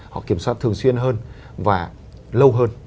họ kiểm soát thường xuyên hơn và lâu hơn